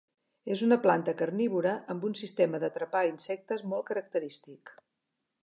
És una planta carnívora amb un sistema d'atrapar insectes molt característic.